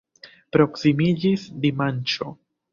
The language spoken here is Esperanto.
Proksimiĝis dimanĉo.